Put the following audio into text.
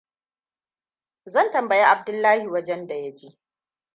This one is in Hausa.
Zan tambayi Abdullahi wajenda ya je.